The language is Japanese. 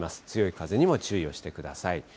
強い風にも注意をしてください。